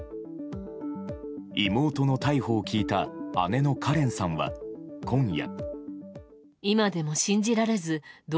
妹の逮捕を聞いた姉のカレンさんは今夜。